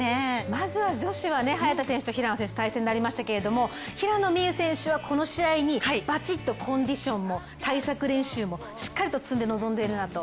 まずは女子が早田選手と平野選手、対戦になりましたけれども平野美宇選手はこの試合にバチッと、コンディションも対策練習もしっかり積んで臨んでいるなと。